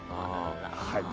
はい。